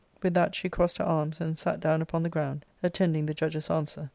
With that she crossed her arms and sat down upon the ground, attending the judge's answer.